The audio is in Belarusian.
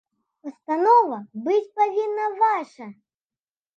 Пастанова быць павінна ваша!